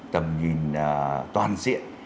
tầm nhìn toàn diện